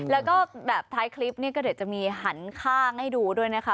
แล้วก็แบบท้ายคลิปนี้ก็เดี๋ยวจะมีหันข้างให้ดูด้วยนะคะ